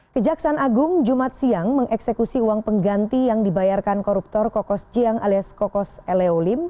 kejaksaan agung jumat siang mengeksekusi uang pengganti yang dibayarkan koruptor kokos jiang alias kokos eleolim